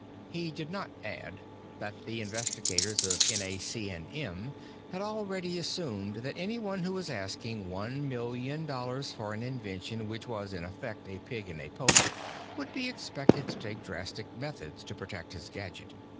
He did not add that the investigators of NAC&M had already assumed that anyone who was asking one million dollars for an invention which was, in effect, a pig in a poke, would be expected to take drastic methods to protect his gadget.